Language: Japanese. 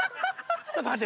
ちょっと待って。